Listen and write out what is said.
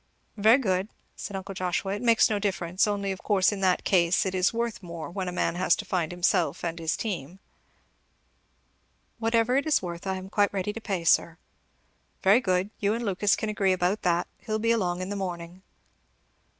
"Very good," said uncle Joshua, "it makes no difference, only of course in that case it is worth more, when a man has to find himself and his team." "Whatever it is worth I am quite ready to pay, sir." "Very good! You and Lucas can agree about that. He'll be along in the morning."